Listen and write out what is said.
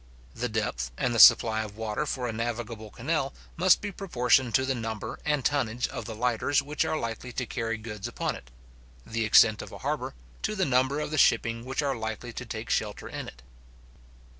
The depth and the supply of water for a navigable canal must be proportioned to the number and tonnage of the lighters which are likely to carry goods upon it; the extent of a harbour, to the number of the shipping which are likely to take shelter in it.